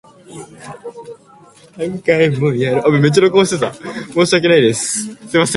Just before the film starts, Bottler comments, What if the movie sucks?